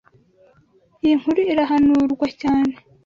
Iyi nkuru irahanurwa cyane.